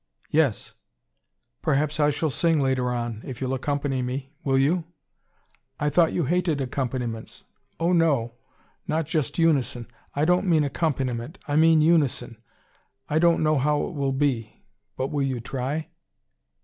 "Yes." "Perhaps I shall sing later on, if you'll accompany me. Will you?" "I thought you hated accompaniments." "Oh, no not just unison. I don't mean accompaniment. I mean unison. I don't know how it will be. But will you try?"